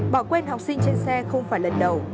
bỏ quên học sinh trên xe không phải lần đầu